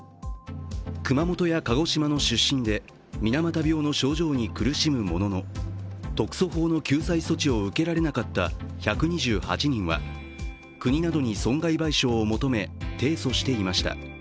熊本や鹿児島の出身で水俣病の症状に苦しむものの特措法の救済措置を受けられなかった１２８人は国などに損害賠償を求め提訴していました。